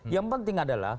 yang penting adalah